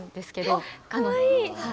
えかわいい。